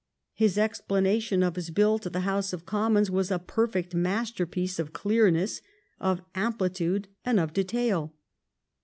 His explanation of his bill to the House of Commons was a perfect masterpiece of clearness, of ampli tude, and of detail.